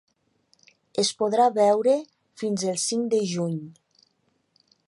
Es podrà veure fins el cinc de juny.